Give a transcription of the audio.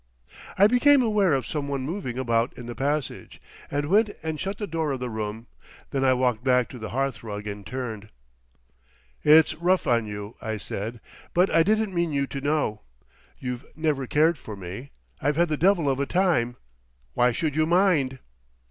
I became aware of some one moving about in the passage, and went and shut the door of the room, then I walked back to the hearthrug and turned. "It's rough on you," I said. "But I didn't mean you to know. You've never cared for me. I've had the devil of a time. Why should you mind?"